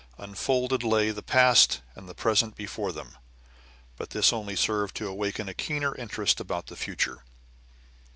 Unfolded lay the past and the present before them; but this only served to awaken a keener interest about the future.